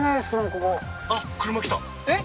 ここあっ車来たえっ？